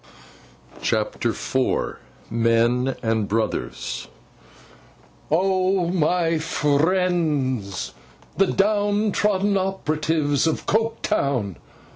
CHAPTER IV MEN AND BROTHERS 'OH, my friends, the down trodden operatives of Coketown!